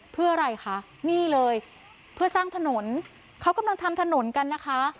เพื่ออะไรคะนี่เลยเพื่อสร้างถนนเขากำลังทำถนนกันนะคะ